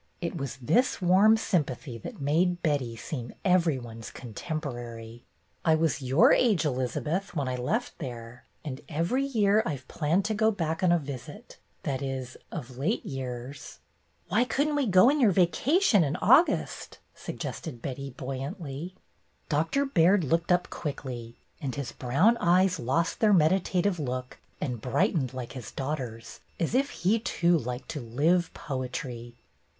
It was this warm sympathy that made Betty seem every one's contemporary. "I was your age, Elizabeth, when I left 22 BETTY BAIRD'S GOLDEN YEAR there ; and every year I 've planned to go back on a visit — that is, of late years.'' "Why could n't we go in your vacation in August?" suggested Betty, buoyantly. Doctor Baird looked up quickly, and his brown eyes lost their meditative look and brightened like his daughter's, as if he, too, liked to "live poetry."